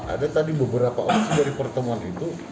ada tadi beberapa opsi dari pertemuan itu